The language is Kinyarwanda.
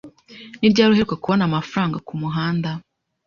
Ni ryari uheruka kubona amafaranga kumuhanda?